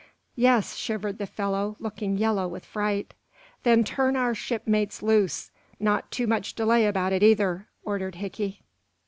"Yes," shivered the fellow, looking yellow with fright. "Then turn our shipmates loose. Not too much delay about it, either," ordered Hickey.